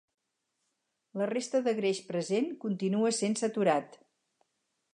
La resta de greix present continua sent saturat.